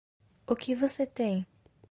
O que você tem?